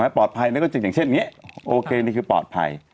ปลอดภัยก็จริงอย่างเช่นนี้โอเคนี่คือปลอดภัย